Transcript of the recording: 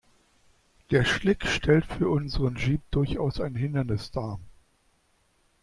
Der Schlick stellt für unseren Jeep durchaus ein Hindernis dar.